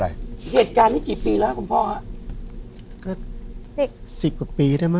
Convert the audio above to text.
เหตุการณ์นี้กี่ปีแล้วคุณพ่อฮะก็สิบสิบกว่าปีได้ไหม